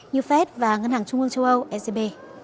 như fed và ngân hàng trung ương châu âu ecb